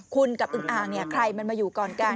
คุณกับอึงอ่างเนี่ยใครมันมาอยู่ก่อนกัน